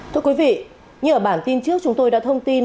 thưa quý vị như ở bản tin trước chúng tôi đã thông tin